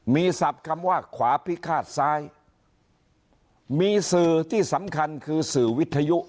มีศัพท์คำว่าขวาพิฆาตซ้ายมีสื่อที่สำคัญคือสื่อวิทยุ